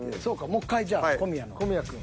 もっかいじゃあ小宮の。